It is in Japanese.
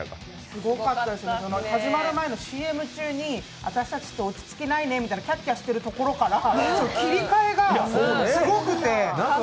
始まる前のＣＭ中に、私たちって落ち着きないねってキャッキャしてるところから切り替えがすごくて。